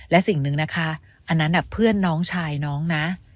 และสิ่งหนึ่งนะคะอันนั้นเพื่อนน้องชายน้องนะ